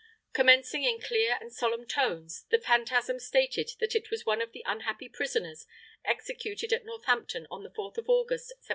"Commencing in clear and solemn tones, the phantasm stated that it was one of the unhappy prisoners executed at Northampton on the 4th of August, 1764.